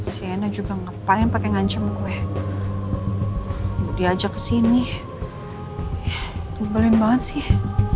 sienna juga ngapain pakai ngancem gue buat diajak ke sini nyebelin banget sih